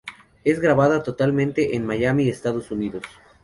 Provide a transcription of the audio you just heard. Es grabada totalmente en Miami, Estados Unidos.